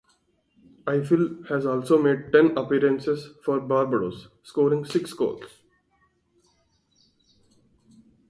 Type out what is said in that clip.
Ifill has also made ten appearances for Barbados, scoring six goals.